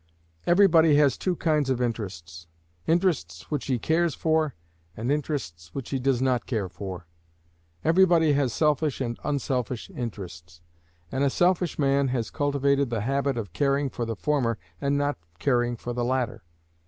Every body has two kinds of interests interests which he cares for and interests which he does not care for. Every body has selfish and unselfish interests, and a selfish man has cultivated the habit of caring for the former and not caring for the latter.